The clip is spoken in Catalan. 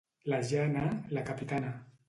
La Jana, la capitana.